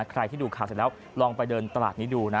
ใครที่ดูข่าวเสร็จแล้วลองไปเดินตลาดนี้ดูนะ